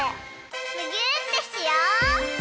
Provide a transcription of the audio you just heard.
むぎゅーってしよう！